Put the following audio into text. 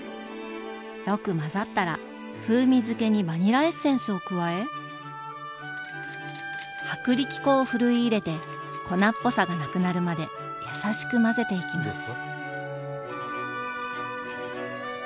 よく混ざったら風味づけにバニラエッセンスを加え薄力粉をふるい入れて粉っぽさがなくなるまで優しく混ぜていきます。